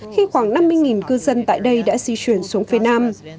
khi khoảng năm mươi cư dân tại đây đã di chuyển xuống phía nam